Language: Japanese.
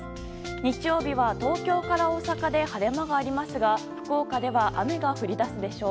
日曜日は東京から大阪で晴れ間がありますが福岡では雨が降り出すでしょう。